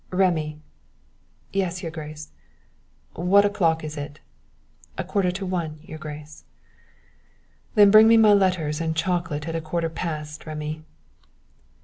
"Rémy." "Yes, your grace." "What o'clock is it?" "A quarter to one, your grace." "Then bring my letters and chocolate at a quarter past, Rémy."